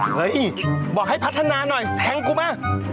เฮ้ยบอกให้พัฒนาหน่อยแทงกูมา